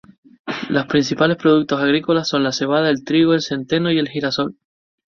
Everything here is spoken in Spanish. Los principales productos agrícolas son la cebada, el trigo, el centeno y el girasol.